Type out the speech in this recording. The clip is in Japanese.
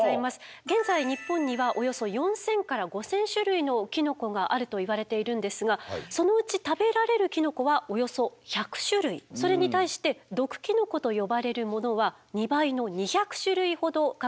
現在日本にはおよそ４，０００から５，０００種類のキノコがあるといわれているんですがそのうち食べられるキノコはおよそ１００種類それに対して毒キノコと呼ばれるものは２倍の２００種類ほど確認されています。